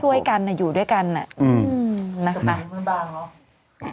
ช่วยกันอยู่ด้วยกันนะครับ